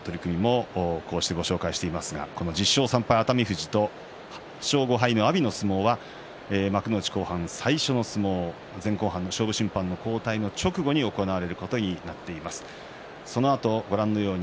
１０勝３敗の熱海富士と８勝５敗の阿炎の相撲は幕内後半最初の相撲前後半の勝負審判の交代の直後に行われることになっています。